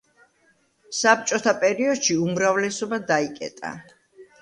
საბჭოთა პერიოდში უმრავლესობა დაიკეტა.